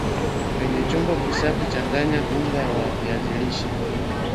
kwenye chombo kisafi changanya unga wa viazi lishe